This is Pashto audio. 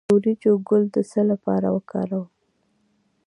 د وریجو ګل د څه لپاره وکاروم؟